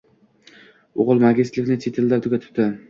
O`g`li magistirlikni chet elda tugatibdi